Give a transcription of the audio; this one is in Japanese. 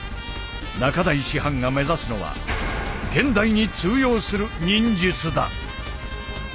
中太師範が目指すのは現代に通用する忍術だ。